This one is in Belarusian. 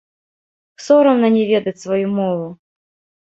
Сорамна не ведаць сваю мову!